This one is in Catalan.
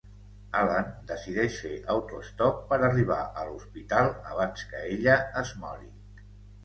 Alan decideix fer autoestop per arribar a l'hospital abans que ella es mori.